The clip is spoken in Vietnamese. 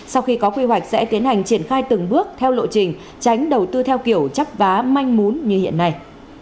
sau khi có quy hoạch sẽ tiến hành triển khai từng bước theo lộ trình tránh đầu tư theo kiểu chấp vá manh mún như hiện nay